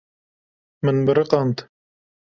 Min biriqand.